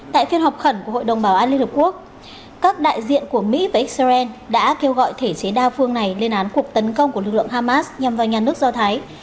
tại phiên họp khẩn của hội đồng bảo an liên hợp quốc các đại diện của mỹ và xrn đã kêu gọi thể chế đa phương này lên án cuộc tấn công của lực lượng hamas nhằm vào nhà nước do thái